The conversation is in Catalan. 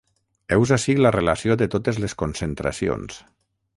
Heus ací la relació de totes les concentracions.